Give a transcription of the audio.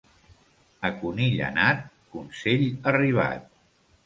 A conill anat, consell arribat.